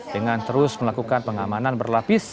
dengan terus melakukan pengamanan berlapis